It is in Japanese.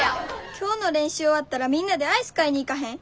今日の練習終わったらみんなでアイス買いに行かへん？